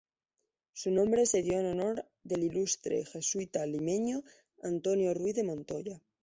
Su nombre se dio en honor del ilustre jesuita limeño Antonio Ruiz de Montoya.